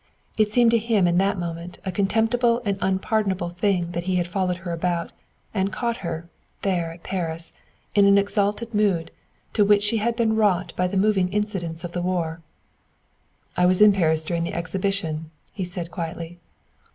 It seemed to him in that moment a contemptible and unpardonable thing that he had followed her about and caught her, there at Paris, in an exalted mood, to which she had been wrought by the moving incidents of war. "I was in Paris during the exhibition," he said quietly.